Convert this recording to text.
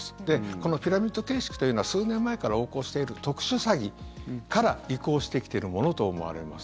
このピラミッド形式というのは数年前から横行している特殊詐欺から移行してきているものと思われます。